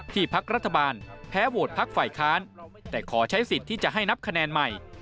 พักรัฐบาลแพ้โหวตพักฝ่ายค้านแต่ขอใช้สิทธิ์ที่จะให้นับคะแนนใหม่